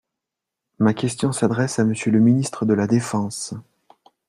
Ma question s’adresse à Monsieur le ministre de la défense.